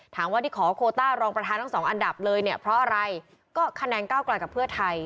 ถามว่าที่ขอโคต้ารองประธานทั้งสองอันดับเลยเนี่ยเพราะอะไรก็คะแนนก้าวกลายกับเพื่อไทย